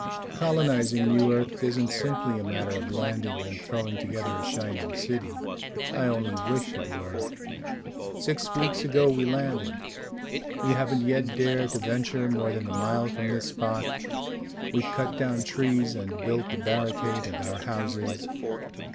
Colonizing New Earth isn't simply a matter of landing and throwing together a shining city. I only wish it were. "Six weeks ago we landed. We haven't yet dared to venture more than a mile from this spot. We've cut down trees and built the barricade and our houses.